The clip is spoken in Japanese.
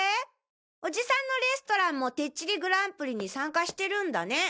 おじさんのレストランもてっちりＧＰに参加してるんだね。